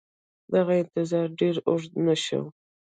دغه انتظار ډېر اوږد نه شو